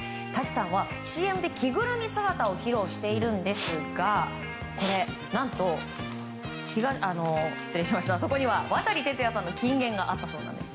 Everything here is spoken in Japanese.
舘さんはＣＭで着ぐるみ姿を披露していますがそこには渡哲也さんの金言があったということです。